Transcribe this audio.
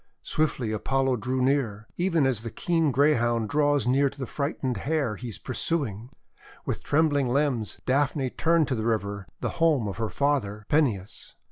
Swiftly Apollo drew near, even as the keen Greyhound draws near to the frightened Hare he is pursuing. With trembling limbs Daphne turned to the river, the home of her father, Peneus.